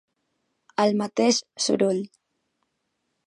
El mateix Soroll